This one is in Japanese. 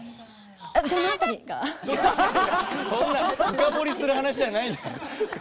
そんな深掘りする話じゃないじゃん。